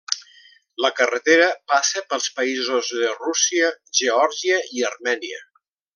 La carretera passa pels països de Rússia, Geòrgia i Armènia.